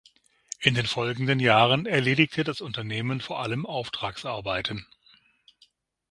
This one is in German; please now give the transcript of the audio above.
In den folgenden Jahren erledigte das Unternehmen vor allem Auftragsarbeiten.